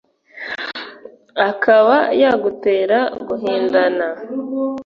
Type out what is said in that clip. Akaba yagutera guhindana